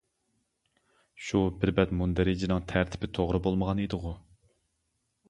شۇ بىر بەت مۇندەرىجىنىڭ تەرتىپى توغرا بولمىغان ئىدىغۇ!